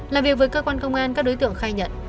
làm việc với cơ quan công an các đối tượng khai nhận